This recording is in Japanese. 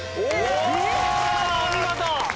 お見事！